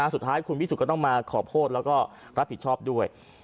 สุดท้ายคุณวิสุทธิ์ก็ต้องมาขอโทษแล้วก็รับผิดชอบด้วย